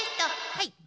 はい。